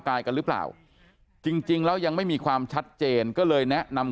กายกันหรือเปล่าจริงแล้วยังไม่มีความชัดเจนก็เลยแนะนำ